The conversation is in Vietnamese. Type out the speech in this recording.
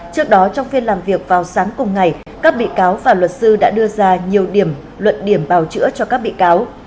trước đó trong phiên làm việc vào sáng cùng ngày các bị cáo và luật sư đã đưa ra nhiều điểm luận điểm bào chữa cho các bị cáo